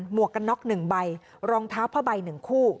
หมวกกันน็อกหนึ่งใบรองเท้าผ้าใบหนึ่งคู่